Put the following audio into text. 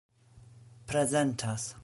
prezentas